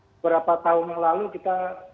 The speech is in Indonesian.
beberapa tahun yang lalu kita